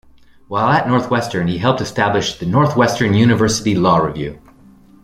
While at Northwestern, he helped establish the Northwestern University Law Review.